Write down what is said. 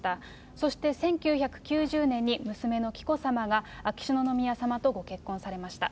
そして１９９０年に娘の紀子さまが、秋篠宮さまとご結婚されました。